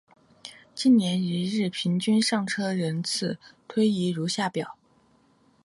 近年一日平均上车人次推移如下表。